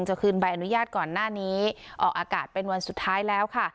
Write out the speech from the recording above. คืนใบอนุญาตก่อนหน้านี้ออกอากาศเป็นวันสุดท้ายแล้วค่ะ